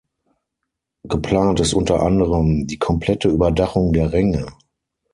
Geplant ist unter anderem die komplette Überdachung der Ränge.